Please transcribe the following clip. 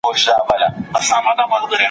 دا لیکنه د تاریخ مینه والو لپاره ده.